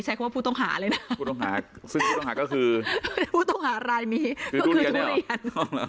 ใช้คำว่าผู้ต้องหาเลยนะผู้ต้องหาซึ่งผู้ต้องหาก็คือผู้ต้องหารายนี้ก็คือทุเรียน